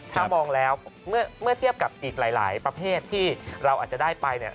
ถ้ามองแล้วเมื่อเทียบกับอีกหลายประเภทที่เราอาจจะได้ไปเนี่ย